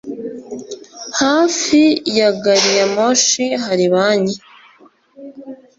Hafi ya gariyamoshi hari banki?